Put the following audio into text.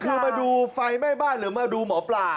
คือมาดูไฟไหม้บ้านหรือมาดูหมอปลา